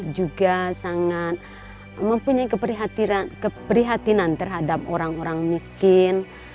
juga sangat mempunyai keprihatinan terhadap orang orang miskin